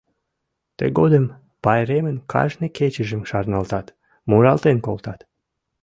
Тыгодым пайремын кажне кечыжым шарналтат, муралтен колтат: